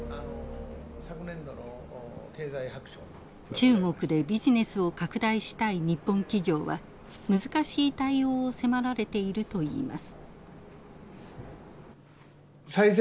中国でビジネスを拡大したい日本企業は難しい対応を迫られているといいます。